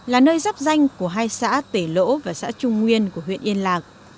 là nơi dắp danh của hai xã tể lỗ và xã trung nguyên của huyện yên lạc